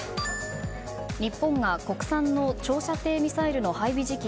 日本が国産の長射程ミサイルの配備時期